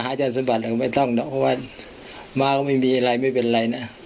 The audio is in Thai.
ถ้าหาจารย์สบัติก็ไม่ต้องเพราะว่ามาก็ไม่มีอะไรไม่เป็นอะไรนะ